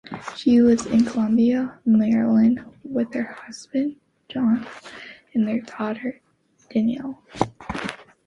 She lives in Columbia, Maryland, with her husband, John, and their daughter Danielle.